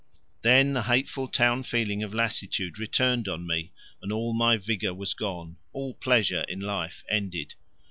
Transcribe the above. Then the hateful town feeling of lassitude returned on me and all my vigour was gone, all pleasure in life ended.